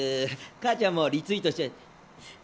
母ちゃんもリツイートしちゃ。